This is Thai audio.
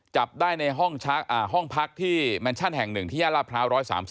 จับได้ในห้องพักที่แมนชั่นแห่ง๑ที่ย่านลาดพร้าว๑๓๐